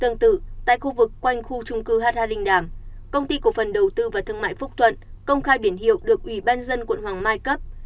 tương tự tại khu vực quanh khu trung cư h hai linh đàm công ty cổ phần đầu tư và thương mại phúc thuận công khai biển hiệu được ủy ban dân quận hoàng mai cấp